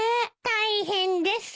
大変です。